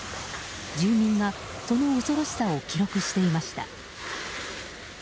住民がその恐ろしさを記録していました。